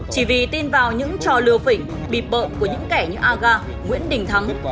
chỉ vì tin vào những trò lừa phỉnh bị bợn của những kẻ như aga nguyễn đình thắng